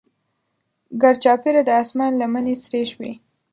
ګرچاپیره د اسمان لمنې سرې شوې.